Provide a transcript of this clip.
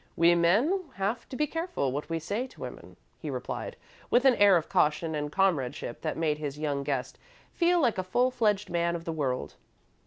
"We men have to be careful what we say to women," he replied, with an air of caution and comradeship that made his young guest feel like a full fledged man of the world.